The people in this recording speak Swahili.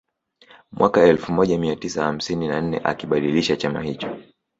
Mwaka elfu moja mia tisa hamsini na nne alikibadilisha chama hicho